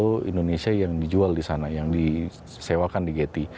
jangan lupa untuk mencari video yang bisa dikirimkan di getty